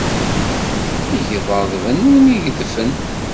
Igḍaḍ bennun igedfen.